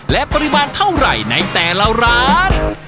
และปริมาณเท่าไหร่ในแต่ละร้าน